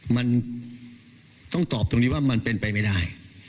มันต้องตอบตรงนี้ว่ามันเป็นไปไม่ได้